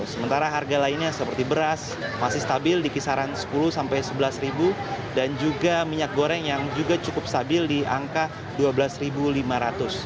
sementara harga lainnya seperti beras masih stabil di kisaran rp sepuluh sampai rp sebelas dan juga minyak goreng yang juga cukup stabil di angka rp dua belas lima ratus